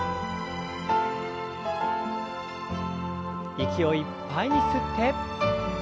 息をいっぱいに吸って。